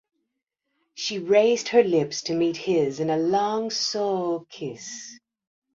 She raised her lips to meet his in a long, soul kiss.